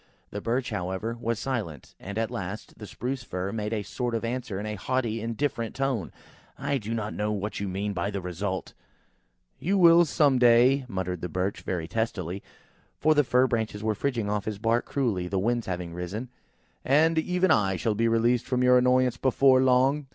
The Birch, however, was silent, and at last, the Spruce fir made a sort of answer in a haughty, indifferent tone–"I do not know what you mean by the result." "You will know some day," muttered the Birch, very testily, (for the fir branches were fridging his bark cruelly–the wind having risen–) "and even I shall be released from your annoyance, before long!"